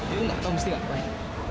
aku gak tau mesti ngapain